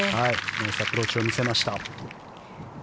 ナイスアプローチを見せました。